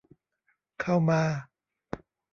เข้ามา